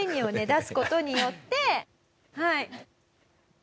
出す事によって。